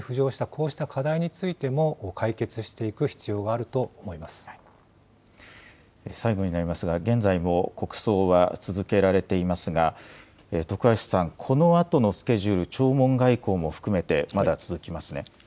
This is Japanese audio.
こうした課題についても、解決していく最後になりますが、現在も国葬は続けられていますが、徳橋さん、このあとのスケジュール、弔問外交も含めて、まだ続きますね。